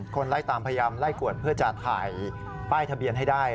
ไล่ตามพยายามไล่กวดเพื่อจะถ่ายป้ายทะเบียนให้ได้